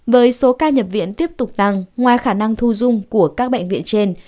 với số ca nhập viện tiếp tục tăng ngoài khả năng thu dung của các bệnh viện trên